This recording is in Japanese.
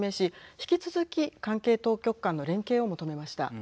引き続き関係当局間の連携を求めました。